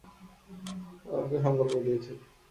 তারা আমাকে সংকল্প দিয়েছে।